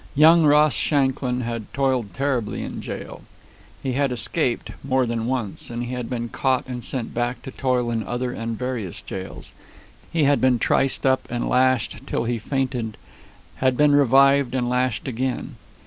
Young Ross Shanklin had toiled terribly in jail; he had escaped, more than once; and he had been caught and sent back to toil in other and various jails. He had been triced up and lashed till he fainted had been revived and lashed again.